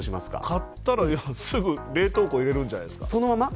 買ったらすぐ冷凍庫に入れるんじゃないですか。